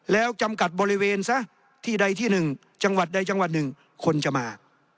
แล้วจำกัดบริเวณซะที่ใดที่หนึ่งจังหวัดใดจังหวัดหนึ่งคนจะมา